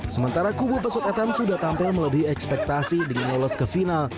sementara kubu pesut etan sudah tampil melebihi ekspektasi dengan lolos ke final